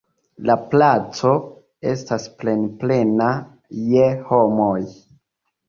La placo estas plenplena je homoj.